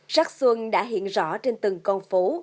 sắc xuân đã hiện rõ trên từng con phố